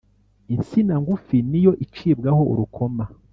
insina ngufi ni yo icibwabo urukoma